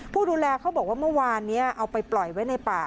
ผู้ดูแลเขาบอกว่าเมื่อวานนี้เอาไปปล่อยไว้ในป่า